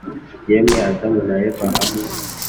yemwe adamu na eva hamwe